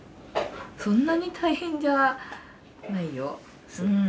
そんなに大変じゃないよ。